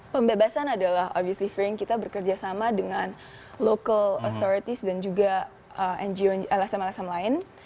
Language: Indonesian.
pembebasan adalah officelveraine kita bekerja sama dengan local authorities dan juga ngo lsm lsm lain